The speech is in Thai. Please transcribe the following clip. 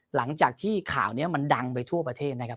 หลังจากที่ข่าวนี้มันดังไปทั่วประเทศนะครับ